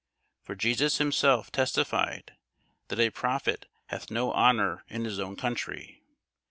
For Jesus himself testified, that a prophet hath no honour in his own country.